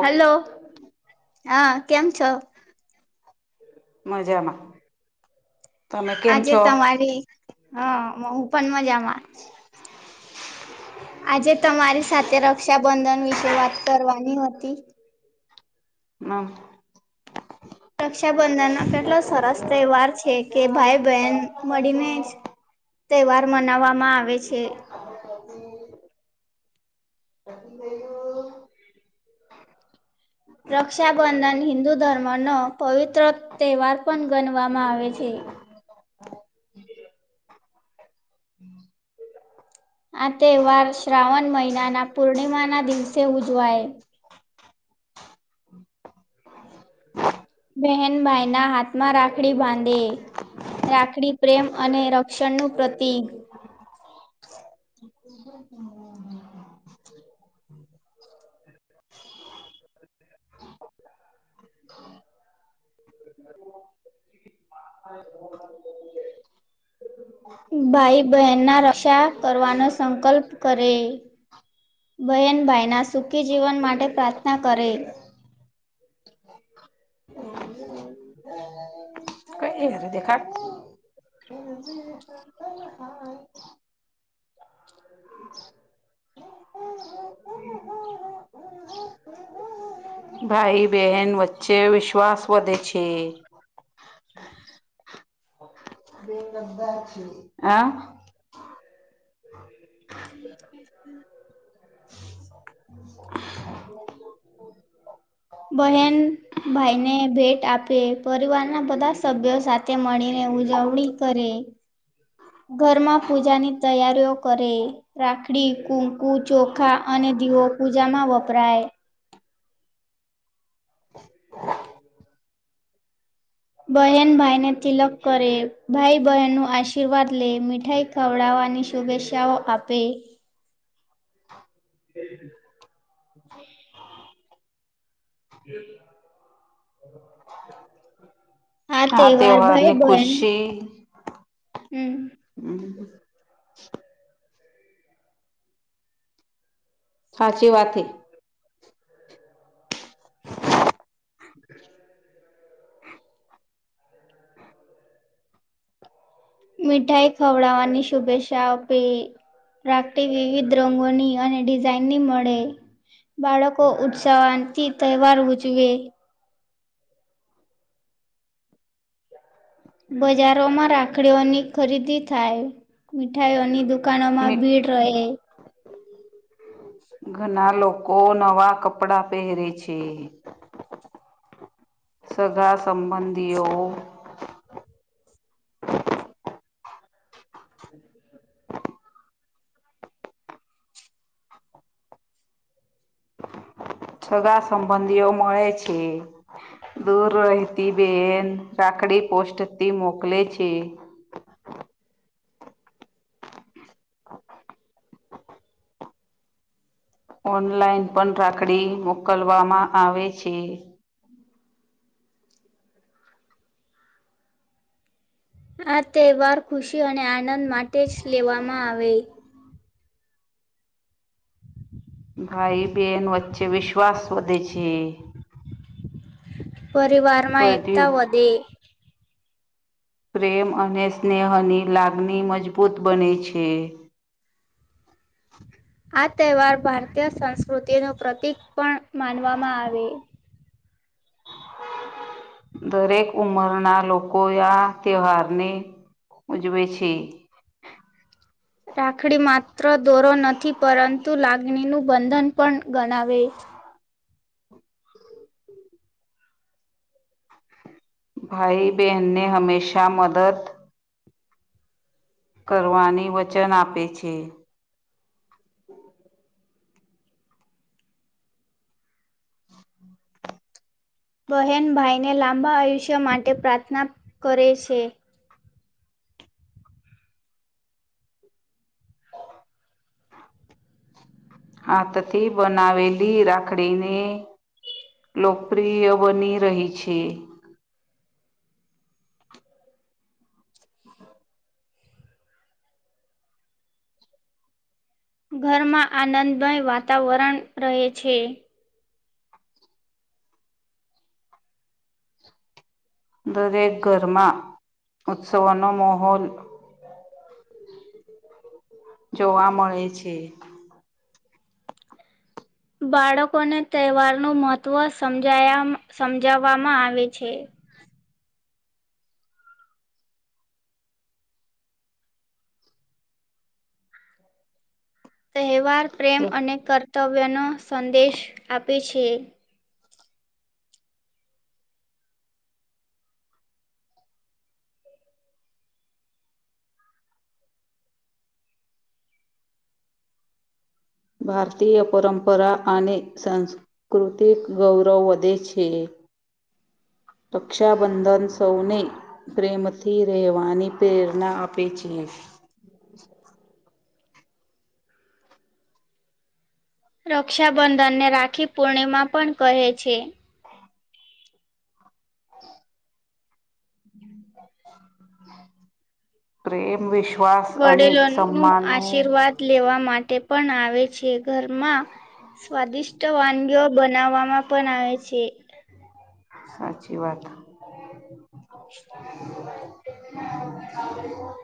Hello અ કેમ છો? મજામાં તમે કેમ આજે છો તમારી હ હું પણ મજામાં આજે તમારી સાથે રક્ષાબંધન વિશે વાત કરવાની હતી હમ રક્ષાબંધનનો કેટલો સરસ તહેવાર છે કે ભાઈ બહેન મળીને જ તહેવાર મનાવવામાં આવે છે. [inaudible] [inaudible] રક્ષાબંધન હિદુ ધર્મનો પવિત્ર તહેવાર પણ ગણવામાં આવે છે. આ તહેવાર શ્રાવણ મહિનાના પૂર્ણિમા ના દિવસે ઉજવાય બહેન ભાઈના હાથમાં રાખડી બાંધે. રાખડી પ્રેમ અને રક્ષણનું પ્રતિક [unintelligible] ભાઈ બહેનના રક્ષા કરવાનો સંકલ્પ કરે બહેનભાઈના સુખી જીવન માટે પ્રાર્થના કરે [unintelligible] [inaudible] [unintelligible] [unintelligible] ભાઈ બેહેન વચ્ચે વિશ્વાસ વધે છે. આ [inaudible] બહેન ભાઈને ભેટ આપે પરિવારના બધા સભ્યો સાથે મળીને ઉજવણી કરે ઘરમાં પૂજાની તૈયારીઓ કરે. રાખડી કૂકુ ચોખા અને દીવો પૂજામાં વપરાય બહેન ભાઈને તિલક કરે ભાઈ બહેનનું આશીર્વાદ લેય મીઠાઈ ખવડાવવાની શુભેચ્છાઓ આપે [unintelligible] [unintelligible] આ તહેવાર ભાઈ તહેવારની બહેન ખુશી હમ્મ [unintelligible] સાચી વાથી મીઠાઈ ખવડાવવાની શુભેચ્છા આપે રાખડી વિવિધ રંગોની અને ડિઝાઇનની મળે. બાળકો ઉત્સાહવાનથી તહેવાર ઉજવે બજારોમાં રાખડીઓની ખરીદી થાય મીઠાઈઓની દુક કાનમાં ભીડ રહે ઘણા લોકો નવા કપડાં પહેરે છે. સગા સંબંધીઓ સગા સંબંધીઓ મળે છે. દૂર રહેતી બેહેન રાખડી પોસ્ટથી મોકલે છે. ઓનલાઈન પણ રાખડી મોકલવામાં આવે છે. આ તહેવાર ખુશી અને આનંદ માટે જ લેવામાં આવે. ભાઈબેન વચ્ચે વિશ્વાસ વધે છે. પરિવારમાં એકતા વધ્યું વધે પ્રેમ અને સ્નેહની લાગણી મજબૂત બને છે. આ તહેવાર ભારતીય સંસ્કૃતિનું પ્રતીક પણ માનવામાં આવે. દરેક ઉમરના લોકો આ તહેવારને ઉજવે છે. રાખડી માત્ર દોરો નથી પરંતુ લાગણીનું બંધન પણ ગણાવે ભાઈ બહેનને હમેશાં મદદ કરવાની વચન આપે છે. બહેન ભાઈને લાંબા આયુષ્ય માટે પ્રાર્થના કરે છે. હાથ થી બનાવેલી રાખડીને લોકપ્રિય બની રહી છે. ઘરમાં આનંદમય વાતાવરણ રહે છે. દરેક ઘરમાં ઉત્સવ નો માહોલ જોવા મળે છે. બાળકોને તહેવારનું મહત્વ સમજાયમ સમજાવવામાં આવે છે. તહેવાર પ્રેમ અને કર્તવ્યનો સંદેશ આપે છે. ભારતીય પરંપરા અને સં કૃતિક ગૌરવ વધે છે. રક્ષાબંધન સૌને પ્રેમથી રહેવાની પ્રેરણા આપે છે. [inaudible] રક્ષાબંધનને રાખી પૂર્ણિમા પણ કહે છે. [inaudible] પ્રેમ વિશ્વાસ અને વડીલોનું સન્માનનું આશીર્વાદ લેવા માટે પણ આવે છે. ઘરમાં સ્વાદિષ્ટ વાનગીઓ બનાવવામાં પણ આવે છે. સાચી વાત. [inaudible]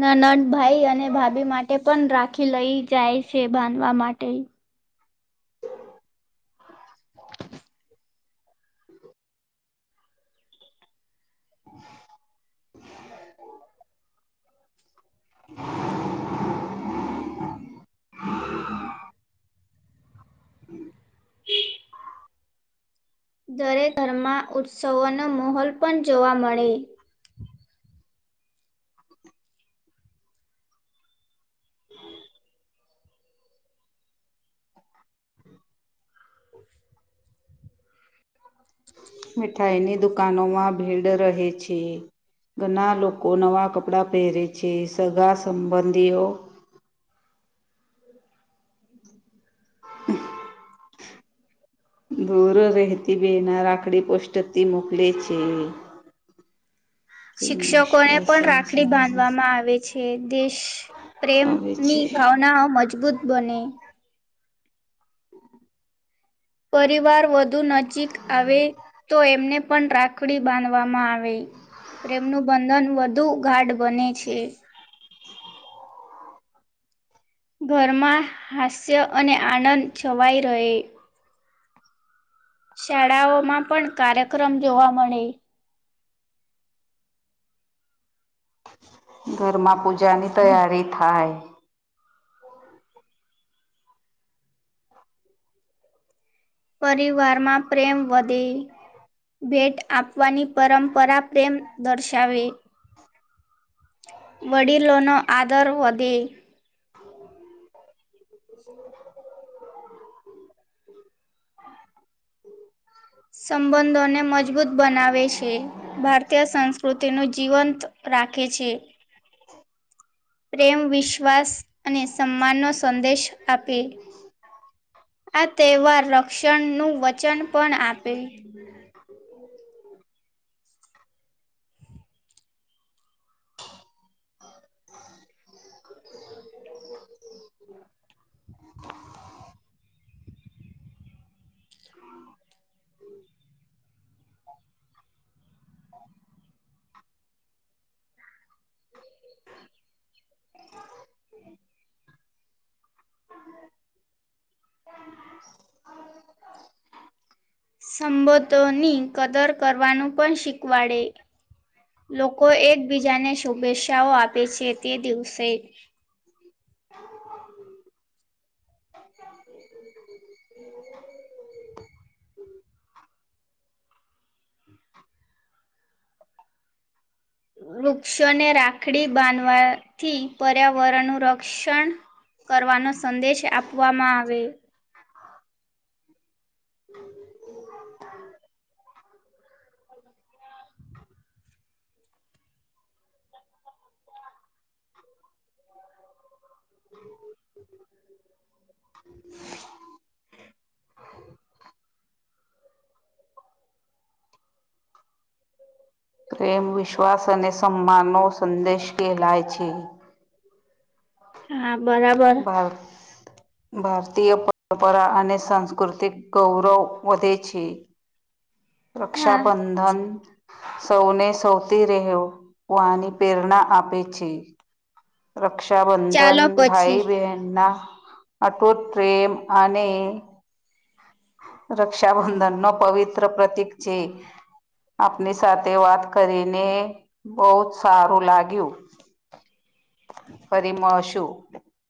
નનંદ ભાઈ અને ભાભી માટે પણ રાખી લઈ જાય છે. બાંધવા માટે. [inaudible] હમ [inaudible] હમ [inaudible] દરેક ઘરમાં ઉત્સવો નો મહોલ પણ જોવા મળે. હમ [inaudible] હ [inaudible] મીઠાઈ ની દુકાનો માં ભીડ રહે છે. ઘણા લોકો નવાં કપડાં પહેરે છે. સગા સંબંધીઓ હહહ [inaudible] દૂર રહેતી બેના રાખડી પોસ્ટથી મોકલે છે. પ્રેમ શિક્ષકો એ વિશ્વાસ પણ અને રાખડી સમજ બાંધવામાં આવે છે. દેશ પ્રેમ આવે ની છે. ભાવનાઓ મજબૂત બને. પરિવાર વધુ નજીક આવે તો એમને પણ રા ખડી બાંધવામાં આવે પ્રેમનું બંધન વધુ ગાઢ બને છે. ઘરમાં હાસ્ય અને આનંદ છવાઈ રહે છે. શાળાઓમાં પણ કાર્યક્રમ જોવા મળે. ઘરમાં પૂજાની તૈયારી થાય. પરિવારમાં પ્રેમ વધે છે. ભેટ આપવાની પરંપરા પ્રેમ દર્શાવે. વડીલો નો આદર વધે. સંબંધો ને મજબૂત બનાવે છે. ભારતીય સંસ્કૃતિ ને જીવંત રાખે છે. પ્રેમ વિશ્વાસ અને સન્માન નો સંદેશ આપે. આ તહેવાર રક્ષણ નું વચન પણ આપે. સંબંધો ની કદર કરવાનું પણ શીખવાડે. લોકો એકબીજાને શુભેચ્છાઓ આપે છે તે દિવસે વૃક્ષો ને રાખડી બાંધવાથી પર્યાવરણનું રક્ષણ કરવાનો સંદેશ આપવામાં આવે છે. પ્રેમ વિશ્વાસ અને સન્માનનો સંદેશ કહેવાય છે. હા બરાબર બસ ભારતીય પરંપરા અને સાંસ્કૃતિક ગૌરવ વધે છે. હા રક્ષાબંધન સૌને સૌથી રહે્યોની પ્રેરણા આપે છે. રક્ષાબંધન ચાલો ભાઈ પછી બહેનના અટો ટ્રેમ અને રક્ષાબંધન નો પવિત્ર પ્રતીિક છે. આપની સાથે વાત કરીને બહુ જ સારું લાગ્યું. ફરીમાં શું